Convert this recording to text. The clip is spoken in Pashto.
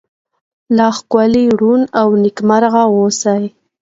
لا ښکلې، ړون، او نکيمرغه اوسه👏